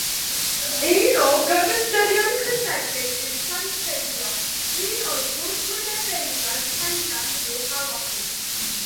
Un o gyfystyron cysegru yw sancteiddio; un o'r gwrthwynebeiriau pendant yw halogi.